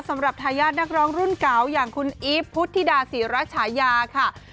สำหรับทายาทนักร้องรุ่นเก่าอย่างคุณอีฟพุทธิดาศรีรัชชายาค่ะ